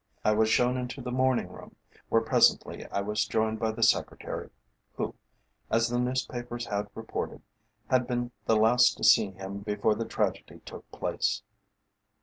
I was shown into the morning room, where presently I was joined by the secretary, who, as the newspapers had reported, had been the last to see him before the tragedy took place.